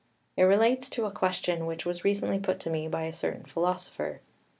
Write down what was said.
It relates to a question which was recently put to me by a certain philosopher.